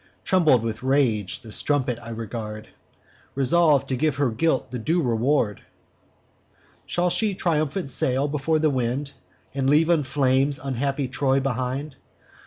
Trembling with rage, the strumpet I regard, Resolv'd to give her guilt the due reward: 'Shall she triumphant sail before the wind, And leave in flames unhappy Troy behind?